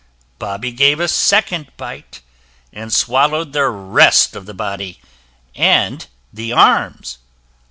Bobby gave a second bite, and swallowed the rest of the body and the arms.